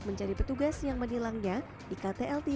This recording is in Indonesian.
menjadi petugas yang menilangnya di ktl timur sembilan pusat kota